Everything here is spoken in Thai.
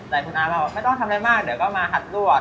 แต่คุณอ้าวบอกว่าไม่ต้องทำได้มากเดี๋ยวก็มาหัดลวด